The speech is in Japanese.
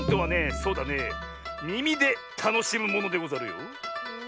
そうだねみみでたのしむものでござるよ。